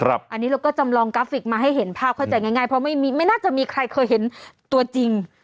อันนี้เราก็จำลองกราฟิกมาให้เห็นภาพเข้าใจง่ายเพราะไม่น่าจะมีใครเคยเห็นตัวจริง